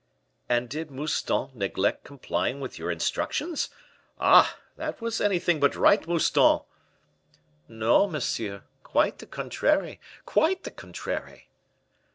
"And did Mouston neglect complying with your instructions? Ah! that was anything but right, Mouston." "No, monsieur, quite the contrary; quite the contrary!"